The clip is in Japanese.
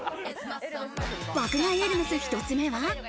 爆買いエルメス、１つ目は。